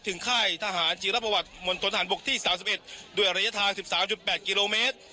ถึงค่ายทหารจีโลประวัติมนตรฐานบกที่สามสิบเอ็ดด้วยระยะทางสิบสามจุดแปดกิโลเมตร